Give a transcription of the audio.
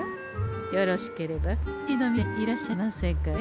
よろしければうちの店にいらっしゃいませんかえ？